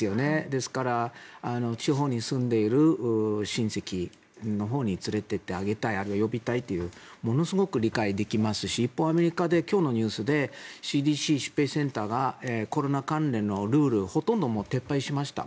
ですから地方に住んでいる親戚のほうに連れていってあげたいあるいは呼びたいというものすごく理解できますし一方アメリカで今日のニュースでＣＤＣ・疾病対策センターがコロナ関連のルールをほとんど撤廃しました。